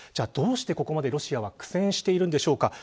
どうして、ここまでロシアは苦戦しているのでしょうか。